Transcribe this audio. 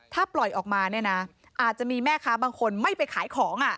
ถ้าปล่อยออกมาเนี่ยนะอาจจะมีแม่ค้าบางคนไม่ไปขายของ